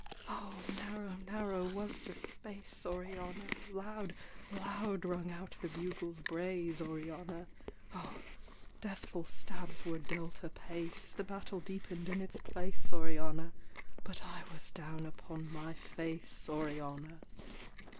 Oh! narrow, narrow was the space, Oriana. Loud, loud rung out the bugle's brays, Oriana. Oh! deathful stabs were dealt apace, The battle deepen'd in its place, Oriana; But I was down upon my face, Oriana.